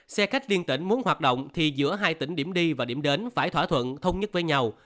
xe khách liên tỉnh muốn hoạt động thì giữa hai tỉnh điểm đi và điểm đến phải thỏa thuận thông nhất với nhau